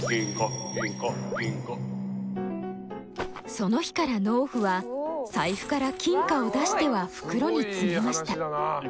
その日から農夫は財布から金貨を出しては袋に詰めました。